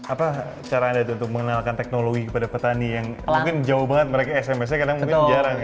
apa cara anda untuk mengenalkan teknologi kepada petani yang mungkin jauh banget mereka sms nya karena mungkin jarang ya